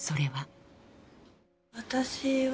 私は、